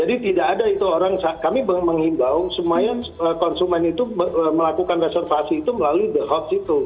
jadi tidak ada itu orang kami mengimbau semuanya konsumen itu melakukan reservasi itu melalui de hot itu